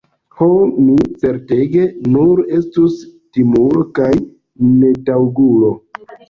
Ho, mi, certege, nur estus timulo kaj netaŭgulo!